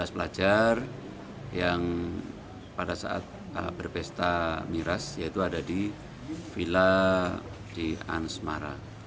dua belas pelajar yang pada saat berpesta miras yaitu ada di villa di ansmara